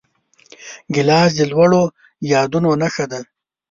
ګیلاس د لوړو یادونو نښه ده.